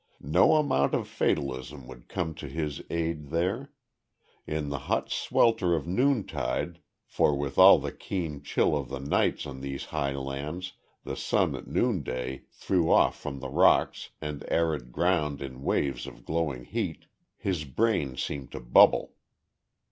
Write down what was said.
No amount of fatalism would come to his aid there. In the hot swelter of noontide for with all the keen chill of the nights on these high lands, the sun at noonday threw off from the rocks and arid ground in waves of glowing heat his brain seemed to bubble.